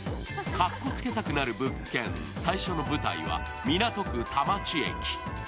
カッコつけたくなる物件、最初の舞台は港区・田町駅。